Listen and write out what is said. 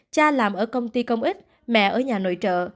cha làm ở công ty công ích mẹ ở nhà nội trợ